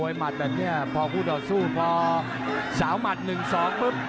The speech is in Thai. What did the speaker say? หมัดแบบนี้พอคู่ต่อสู้พอสาวหมัด๑๒ปุ๊บ